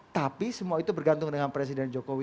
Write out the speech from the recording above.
tapi semua itu bergantung dengan presiden jokowi